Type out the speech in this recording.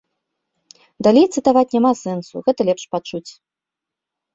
Далей цытаваць няма сэнсу, гэта лепш пачуць.